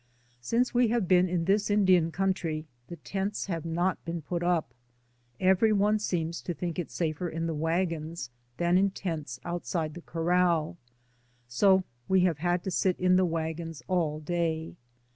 Since we have been in this Indian country the tents have not been put up; every one seems to think it safer in the wagons than in tents outside the corral, so we have had to sit in the wagons all day.